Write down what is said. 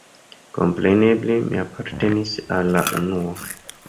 Kompreneble mi apartenis al la unua.